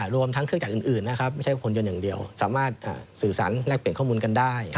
รวมทั้งเครื่องจักรอื่นนะครับไม่ใช่คนยนต์อย่างเดียวสามารถสื่อสารแลกเปลี่ยนข้อมูลกันได้